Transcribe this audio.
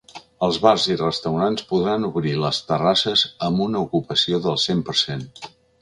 Els bars i restaurants podran obrir les terrasses amb una ocupació del cent per cent.